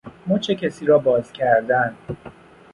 مچ کسی را باز کردن